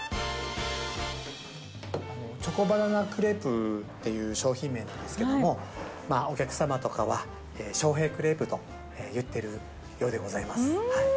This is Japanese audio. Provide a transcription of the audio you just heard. このチョコバナナクレープという商品名なんですけども、お客様とかは、翔平クレープと言っているようでございます。